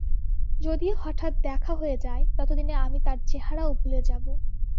যদিও হঠাৎ দেখা হয়ে যায়, ততদিনে আমি তার চেহারাও ভুলে যাব।